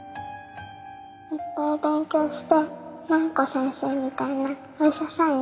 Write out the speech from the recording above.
いっぱいお勉強して麻弥子先生みたいなお医者さんになる。